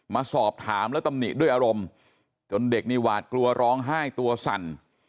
มาสอบถามแล้วตำหนิด้วยอารมณ์จนเด็กนี่หวาดกลัวร้องไห้ตัวสั่น